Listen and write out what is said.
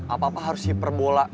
apa apa harus diperoleh